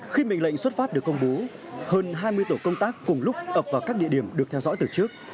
khi mệnh lệnh xuất phát được công bố hơn hai mươi tổ công tác cùng lúc ập vào các địa điểm được theo dõi từ trước